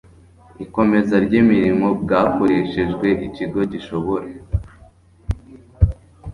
ikomeza ry imirimo bwakoreshejwe Ikigo gishobora